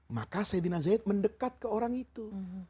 maka saidina zaid mendekat ke orang itu